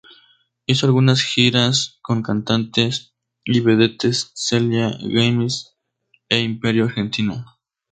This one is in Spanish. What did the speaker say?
Hizo algunas giras con cantantes y vedettes Celia Gámez e Imperio Argentina.